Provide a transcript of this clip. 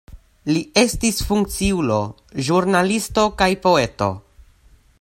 Li estis funkciulo, ĵurnalisto kaj poeto.